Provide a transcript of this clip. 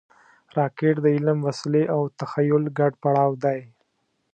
راکټ د علم، وسلې او تخیل ګډ پړاو دی